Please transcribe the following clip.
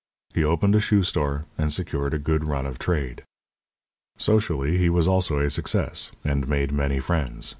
He opened a shoe store and secured a good run of trade. Socially he was also a success, and made many friends.